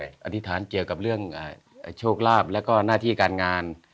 อธิษฐานเกี่ยวกับเรื่องโชคลาภแล้วก็หน้าที่การงาน